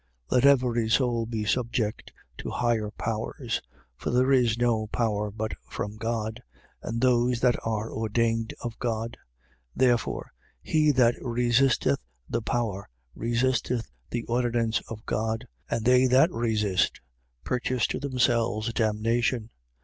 13:1. Let every soul be subject to higher powers. For there is no power but from God: and those that are ordained of God. 13:2. Therefore, he that resisteth the power resisteth the ordinance of God. And they that resist purchase to themselves damnation.